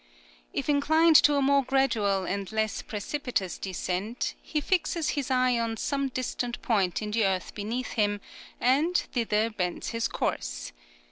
If inclined to a more gradual and less precipitous descent, he fixes his eye on some distant point in the earth beneath him, and thither bends his course.